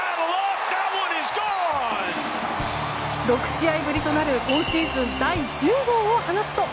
６試合ぶりとなる今シーズン第１０号を放つと。